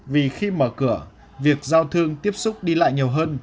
vì khi mở cửa việc giao thương tiếp xúc đi lại nhiều hơn